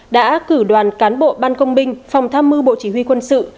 đã cử đoàn cán bộ ban công binh phòng tham mưu bộ chỉ huy quân sự